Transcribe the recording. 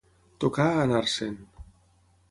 Tocar a anar-se'n.